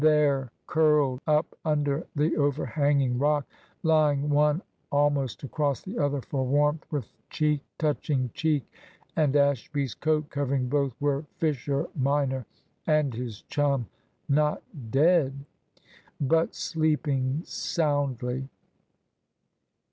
There, curled up under the overhanging rock, lying one almost across the other for warmth, with cheek touching cheek, and Ashby's coat covering both, were Fisher minor and his chum not dead, but sleeping soundly!